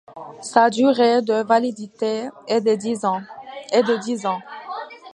Sa durée de validité est de dix ans.